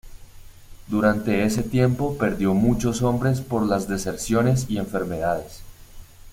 Durante ese tiempo perdió muchos hombres por las deserciones y enfermedades.